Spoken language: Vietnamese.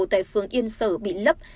tại phường yên sở bị lấp